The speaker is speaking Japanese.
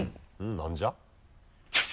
何じゃ？